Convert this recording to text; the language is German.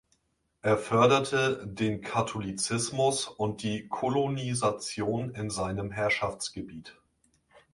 Er förderte den Katholizismus und die Kolonisation in seinem Herrschaftsgebiet.